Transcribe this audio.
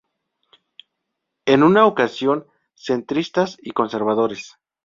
En una ocasión centristas y conservadores.